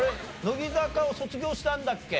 乃木坂を卒業したんだっけ？